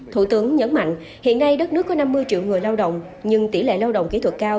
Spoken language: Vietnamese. thủ tướng nhấn mạnh hiện nay đất nước có năm mươi triệu người lao động nhưng tỷ lệ lao động kỹ thuật cao